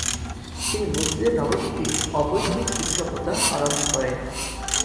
তিনি মসজিদে নববীতে অবৈতনিক শিক্ষকতা আরম্ভ করেন।